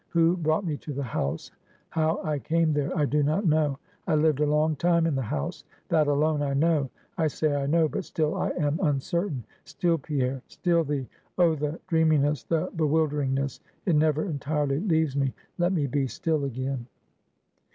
Who brought me to the house; how I came there, I do not know. I lived a long time in the house; that alone I know; I say I know, but still I am uncertain; still Pierre, still the oh the dreaminess, the bewilderingness it never entirely leaves me. Let me be still again."